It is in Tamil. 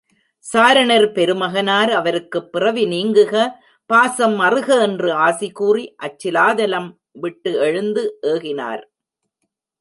சாரணர் பெருமகனார் அவருக்குப் பிறவி நீங்குக பாசம் அறுக என்று ஆசி கூறி அச்சிலாதலம் விட்டு எழுந்து ஏகினார்.